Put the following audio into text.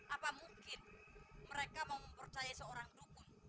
apa mungkin mereka mau mempercayai seorang dukun